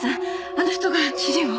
あの人が主人を？